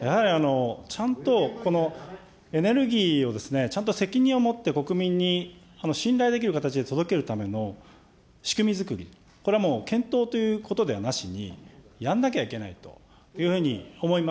やはり、ちゃんとエネルギーをちゃんと責任を持って国民に信頼できる形で届けるための仕組み作り、これはもう検討ということではなしに、やんなきゃいけないというふうに思います。